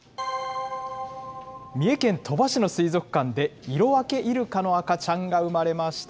三重県鳥羽市の水族館で、イロワケイルカの赤ちゃんが産まれました。